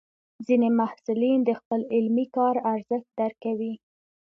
ځینې محصلین د خپل علمي کار ارزښت درکوي.